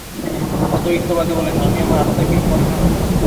অদ্বৈতবাদী বলেন আমি আমার আত্মাকেই উপাসনা করি।